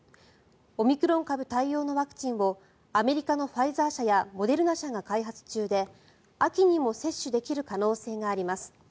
オミクロン株対応のワクチンをアメリカのファイザー社やモデルナ社が開発中で、秋にも接種できる可能性があります。